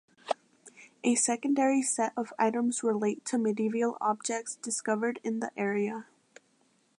A secondary set of items relate to medieval objects discovered in the area.